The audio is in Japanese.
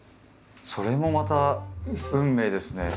それもまた運命ですね。